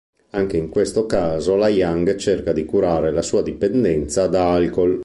Anche in questo caso la Young cerca di curare la sua dipendenza da alcol.